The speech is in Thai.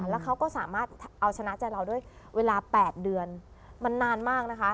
แล้วเขาก็สามารถเอาชนะใจเราด้วยเวลา๘เดือนมันนานมากนะคะ